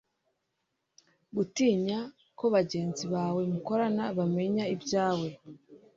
gutinya ko bagenzi bawe mukorana bamenya ibyawe